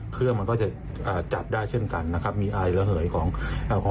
เครื่องมันก็จะจับได้เช่นกันนะครับมีอายเหลือเหยของแอลกอฮอล์